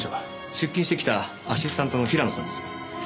出勤してきたアシスタントの平野さんです。